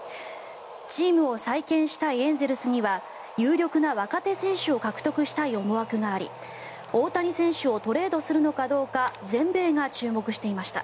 チームを再建したいエンゼルスには有力な若手選手を獲得したい思惑があり大谷選手をトレードするのかどうか全米が注目していました。